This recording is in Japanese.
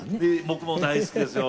僕も大好きですよ